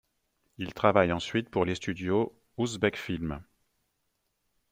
Il travaille ensuite pour les studios Uzbekfilm.